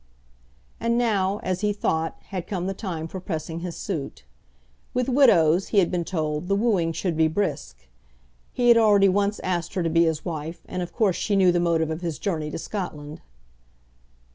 And now, as he thought, had come the time for pressing his suit. With widows, he had been told, the wooing should be brisk. He had already once asked her to be his wife, and of course she knew the motive of his journey to Scotland.